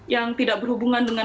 yang tidak berhubungan dengan